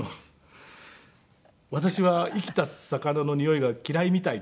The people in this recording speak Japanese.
「私は生きた魚のにおいが嫌いみたい」って言われて。